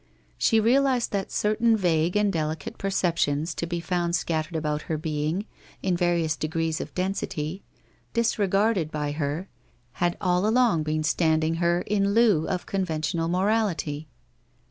She realized that certain vague and delicate per ceptions to be found scattered about her being in various 274 WHITE ROSE OF WEARY LEAF 275 degrees of density, disregarded by her, had all along been standing her in lieu of conventional morality.